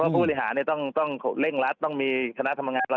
เพราะจะต้องเร่งรัดต้องมีคำวิทยาลัยทางดับงาน